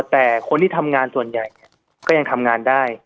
แต่คนที่ทำงานส่วนใหญ่ก็ยังทำงานได้